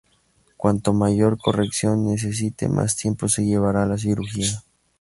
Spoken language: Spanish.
Cuanto mayor corrección necesite, más tiempo se llevará la cirugía.